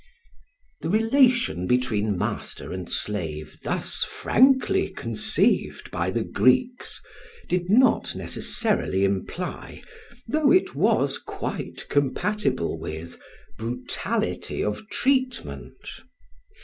The relation between master and slave thus frankly conceived by the Greeks, did not necessarily imply, though it was quite compatible with, brutality of treatment.